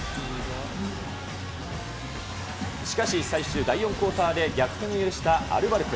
しかし最終第４クオーターで逆転を許したアルバルク。